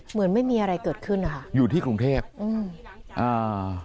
เหมือนไม่มีอะไรเกิดขึ้นนะคะอยู่ที่กรุงเทพอืมอ่า